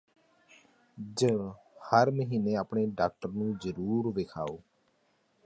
ਝ ਹਰ ਮਹੀਨੇ ਆਪਣੇ ਡਾਕਟਰ ਨੂੰ ਜ਼ਰੂਰ ਵਿਖਾਓ